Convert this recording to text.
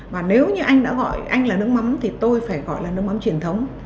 và nếu như anh đã gọi anh là nước mắm thì tôi phải gọi là nước mắm truyền thống